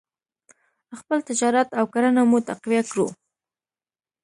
خپل تجارت او کرنه مو تقویه کړو.